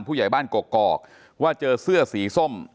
ผู้ใหญ่บ้านกกอกว่าเจอเสื้อสีส้ม